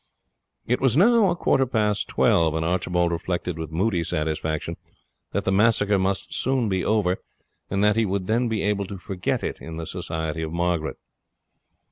It was now a quarter past twelve, and Archibald reflected with moody satisfaction that the massacre must soon be over, and that he would then be able to forget it in the society of Margaret.